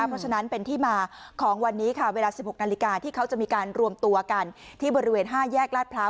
เพราะฉะนั้นเป็นที่มาของวันนี้ค่ะเวลา๑๖นาฬิกาที่เขาจะมีการรวมตัวกันที่บริเวณ๕แยกลาดพร้าว